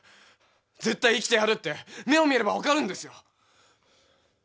絶対生きてやるって目を見れば分かるんですよ